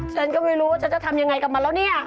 ฉันก็ไม่รู้ว่าฉันจะทำยังไงกับมันแล้วเนี่ย